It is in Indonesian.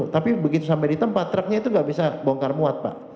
tapi begitu sampai di tempat truknya itu nggak bisa bongkar muat pak